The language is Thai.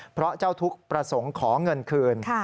เพราะเจ้าทุกข์ประสงค์ขอเงินคืน